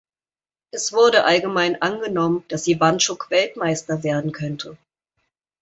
Es wurde allgemein angenommen, dass Ivanchuk Weltmeister werden könnte.